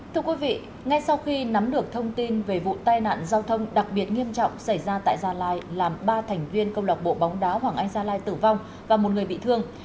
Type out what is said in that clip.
thưa quý vị ngay sau khi nắm được thông tin về vụ tai nạn giao thông đặc biệt nghiêm trọng xảy ra tại gia lai làm ba thành viên công lọc bộ bóng đá hoàng anh gia lai tử vong và một người bị thương